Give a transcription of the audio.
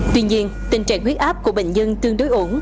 tuy nhiên tình trạng huyết áp của bệnh nhân tương đối ổn